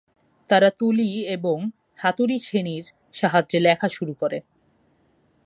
তারা তুলি এবং হাতুড়ি-ছেনির সাহায্যে লেখা শুরু করে।